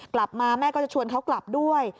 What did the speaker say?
กลับมาแม่ก็จะชวนเขากลับด้วย